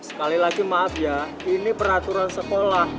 sekali lagi maaf ya ini peraturan sekolah